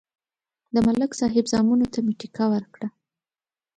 د ملک صاحب زامنو ته مې ټېکه ورکړه